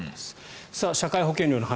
社会保険料の話